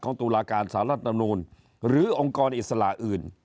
ตุลาการสารรัฐธรรมนูลหรือองค์กรอิสระอื่น